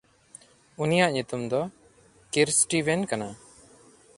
ᱩᱱᱤᱭᱟᱜ ᱧᱩᱛᱩᱢ ᱫᱚ ᱠᱤᱨᱥᱴᱤᱣᱮᱱ ᱠᱟᱱᱟ᱾